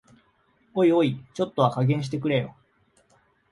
おいおい、ちょっとは加減してくれよ